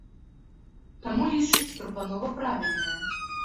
Таму, лічыць, прапанова правільная.